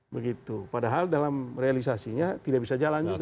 begitu padahal dalam realisasinya tidak bisa jalan juga